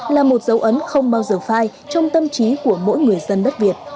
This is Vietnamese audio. là một dấu ấn không bao giờ phai trong tâm trí của mỗi người dân đất việt